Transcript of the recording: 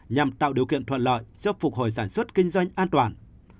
nhằm tạo điều kiện thuận lợi giúp phục hồi sản xuất kinh doanh an toàn